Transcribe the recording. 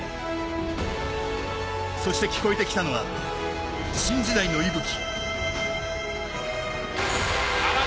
そして聞こえてきたのは新時代の息吹き。